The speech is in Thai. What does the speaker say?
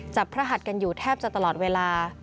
พระหัสกันอยู่แทบจะตลอดเวลา